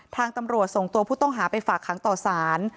ทางตำรวจส่งตัวผู้ต้องหาไปฝากขังต่อสาร